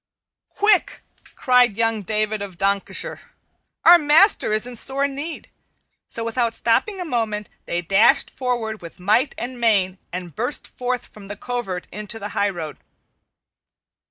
"Quick!" cried young David of Doncaster. "Our master is in sore need!" So, without stopping a moment, they dashed forward with might and main and burst forth from the covert into the highroad.